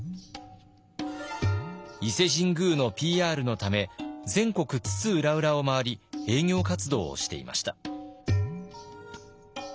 伊勢神宮のＰＲのため全国津々浦々を回り営業活動をしていました。